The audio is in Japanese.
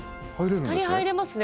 ２人入れますね